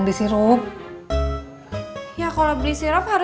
bangkaan lagi rame